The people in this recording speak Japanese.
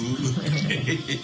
ヘヘヘヘ。